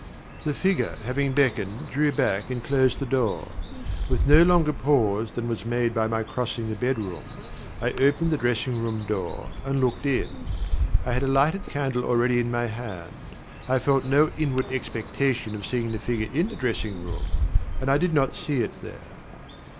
The figure, having beckoned, drew back and closed the door. With no longer pause than was made by my crossing the bedroom, I opened the dressing room door, and looked in. I had a lighted candle already in my hand. I felt no inward expectation of seeing the figure in the dressing room, and I did not see it there.